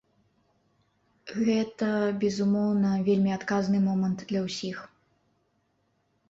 Гэта, безумоўна, вельмі адказны момант для ўсіх.